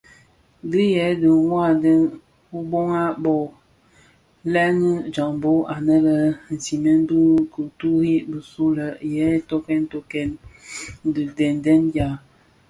Hei dhi wanne ubaa bō: lènni, jambhog anèn a sigmèn bi kituri bisulè ǎyi tokkèn tokkèn dhidenèn dya.